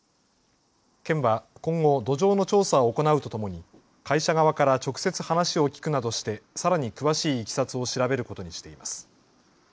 県は今後、土壌の調査を行うとともに会社側から直接、話を聞くなどしてさらに詳しいいきさつを調べることにしています。